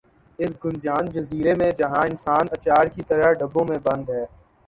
اس گنجان جزیر ے میں جہاں انسان اچار کی طرح ڈبوں میں بند ہے